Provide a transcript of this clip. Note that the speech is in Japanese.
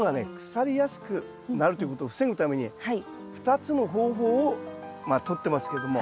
腐りやすくなるということを防ぐために２つの方法をまあとってますけども。